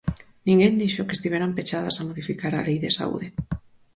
Ninguén dixo que estiveran pechadas a modificar a Lei de saúde.